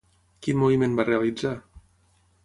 Quin moviment va realitzar?